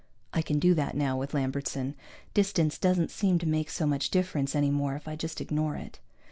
(I can do that now, with Lambertson. Distance doesn't seem to make so much difference any more if I just ignore it.)